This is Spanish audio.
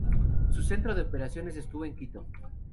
Su centro de operaciones estuvo en Quito.